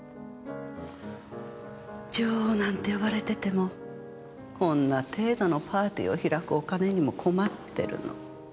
女王なんて呼ばれててもこんな程度のパーティーを開くお金にも困ってるの。